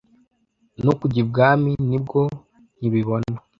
No kujya ibwami ni bwo nkibibona.